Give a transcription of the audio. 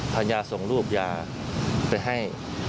ภรรยาส่งรูปยาไปให้